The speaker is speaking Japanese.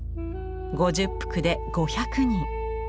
５０幅で５００人。